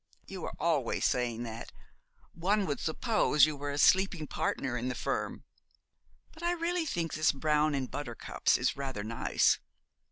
'You are always saying that. One would suppose you were a sleeping partner in the firm. But I really think this brown and buttercups is rather nice.